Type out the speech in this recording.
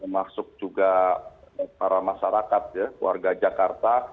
masuk juga para masyarakat ya warga jakarta